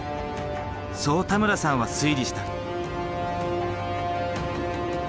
そう田村さんは推理した。